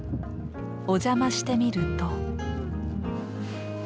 お邪魔してみると。